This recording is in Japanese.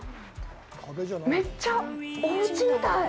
めっちゃおうちみたい。